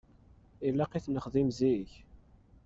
Ilaq i t-nexdim zik.